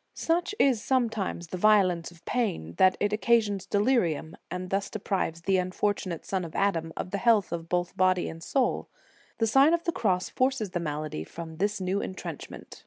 * Such is, sometimes, the violence of pain, that it occasions delirium, and thus deprives the unfortunate son of Adam of the health both of body and soul. The Sign of the Cross forces the malady from this new en trenchment.